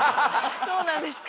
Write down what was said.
そうなんですか？